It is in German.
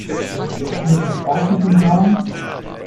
Hältst du es noch aus mit den Blagen?